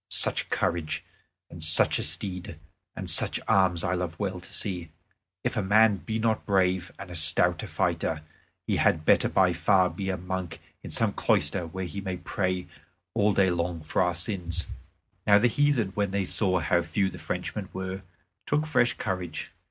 Such courage, and such a steed, and such arms I love well to see. If a man be not brave and a stout fighter, he had better by far be a monk in some cloister where he may pray all day long for our sins." Now the heathen, when they saw how few the Frenchmen were, took fresh courage.